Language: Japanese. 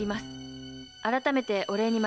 「改めてお礼にまいります。